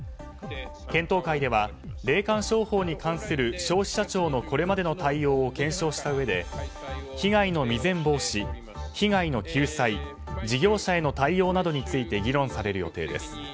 検討会では、霊感商法に関する消費者庁のこれまでの対応を検討したうえで被害の未然防止、被害の救済事業者への対応などについて議論される予定です。